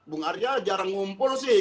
bung arya jarang ngumpul sih